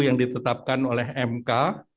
yang ditetapkan oleh mk